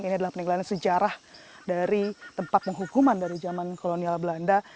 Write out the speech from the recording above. ini adalah peninggalan sejarah dari tempat penghukuman dari zaman kolonial belanda